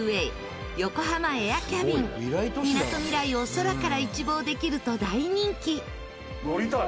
みなとみらいを空から一望できると大人気。